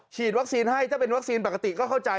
วัคซีนให้ถ้าเป็นวัคซีนปกติก็เข้าใจ